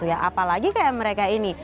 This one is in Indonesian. apalagi kayak mereka ini